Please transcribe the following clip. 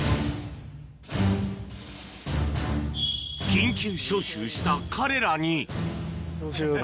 緊急招集した彼らに。